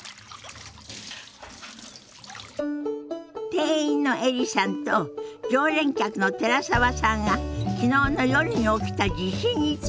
店員のエリさんと常連客の寺澤さんが昨日の夜に起きた地震について話してるみたい。